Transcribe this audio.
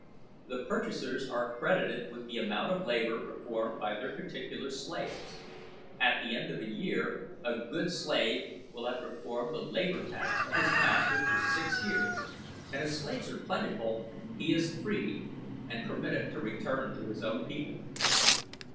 The purchasers are credited with the amount of labor performed by their particular slaves. At the end of a year a good slave will have performed the labor tax of his master for six years, and if slaves are plentiful he is freed and permitted to return to his own people."